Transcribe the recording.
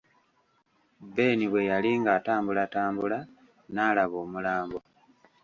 Ben bwe yali ng'atambulatambula n'alaba omulambo.